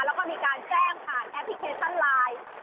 แล้วก็มีการแจ้งผ่านแอปพลิเคชันไลน์